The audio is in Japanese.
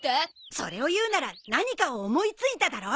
それを言うなら「何かを思いついた」だろ。